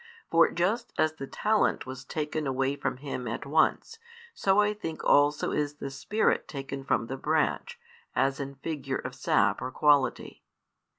For just as the talent was taken away from him at once, so I think also is the Spirit taken from the branch, as in figure of sap or quality.